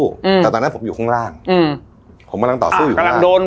อืมแต่ตอนนั้นผมอยู่ข้างล่างอืมผมกำลังต่อสู้อยู่กำลังโดน